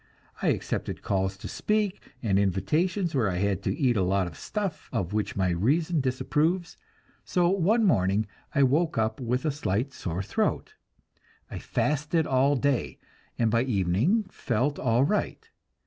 I accepted calls to speak, and invitations where I had to eat a lot of stuff of which my reason disapproves; so one morning I woke up with a slight sore throat. I fasted all day, and by evening felt all right.